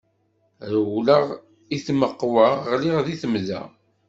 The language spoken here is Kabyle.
Rewleɣ i tmeqqwa, ɣliɣ di temda.